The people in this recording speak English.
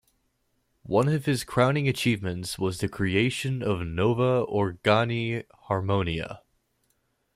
One of his crowning achievements was the creation of the "Nova Organi Harmonia".